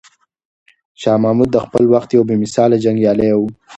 شاه محمود د خپل وخت یو بې مثاله جنګیالی و.